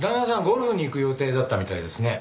ゴルフに行く予定だったみたいですね。